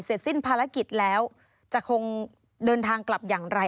เสร็จสิ้นภารกิจแล้วจะคงเดินทางกลับอย่างไร